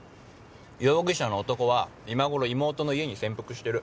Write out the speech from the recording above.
容疑者の男は今ごろ妹の家に潜伏してる。